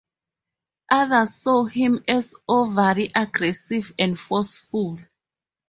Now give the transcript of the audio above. Others saw him as overly aggressive and forceful.